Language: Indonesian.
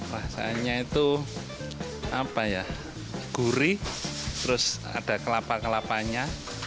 rasanya itu apa ya gurih terus ada kelapa kelapanya